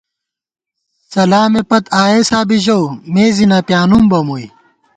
سلامےپت “آیېسا” بی ژَؤ، مےزی نہ پیانُم بہ مُوئی